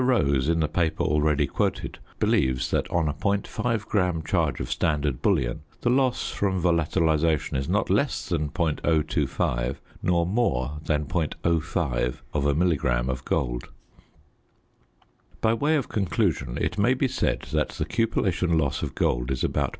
Rose, in the paper already quoted, believes that on a .5 gram charge of standard bullion the loss from volatilisation is not less than .025 nor more than .05 milligram of gold. By way of conclusion it may be said that the cupellation loss of gold is about